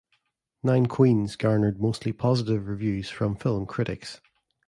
"Nine Queens" garnered mostly positive reviews from film critics.